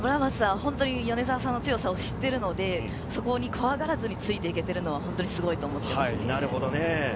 ただ村松さん、本当に米澤さんの強さを知っているので、そこに怖がらずについて行けているのは、すごいと思います。